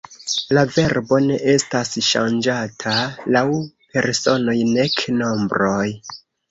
La verbo ne estas ŝanĝata laŭ personoj nek nombroj.